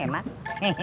masakan yang baru